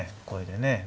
これでね。